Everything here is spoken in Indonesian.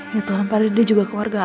ya tuhan padahal dia juga keluarga aku